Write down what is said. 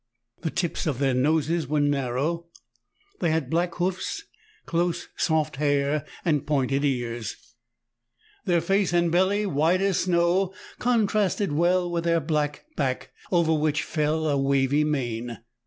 The tips of their noses were narrow ; they had black hoofs, close soft hair, and pointed ears. Their THREE ENGLISHMEN AND THREE RUSSIANS. 83 face and belly, v;hite as snow, contrasted well with their black back, over which fell a wavy mane.